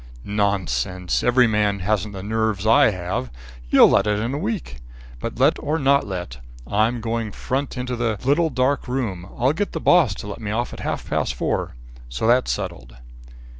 "Nonsense! Every man hasn't the nerves I have. You'll let it in a week. But let or not let, I'm going front into the little dark room. I'll get the boss to let me off at half past four. So that's settled."